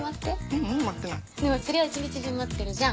でも釣りは一日中待ってるじゃん。